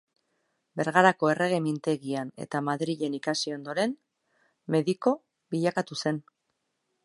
Bergarako Errege Mintegian eta Madrilen ikasi ondoren, mediko bilakatu zen.